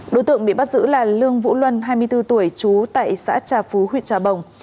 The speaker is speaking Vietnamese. đối tượng bị bắt giữ là lương vũ luân hai mươi bốn tuổi trú tại xã trà phú huyện trà bồng